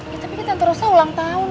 ya tapi kan tante rosa ulang tahun ga